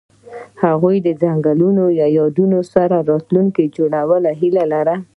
هغوی د ځنګل له یادونو سره راتلونکی جوړولو هیله لرله.